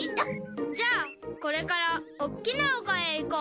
じゃあこれからおっきな丘へ行こう！